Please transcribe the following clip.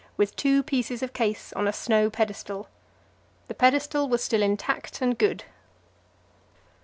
with two pieces of case on a snow pedestal. The pedestal was still intact and good.